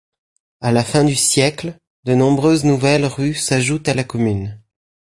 À la fin du siècle, de nombreuses nouvelles rues s’ajoutent à la commune.